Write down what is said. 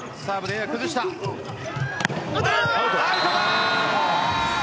アウトだ。